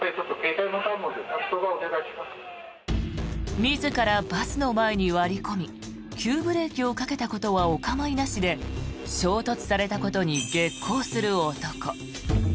自らバスの前に割り込み急ブレーキをかけたことはお構いなしで衝突されたことに激高する男。